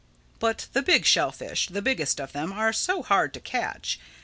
But the big shellfish—the biggest of them, are so hard to catch.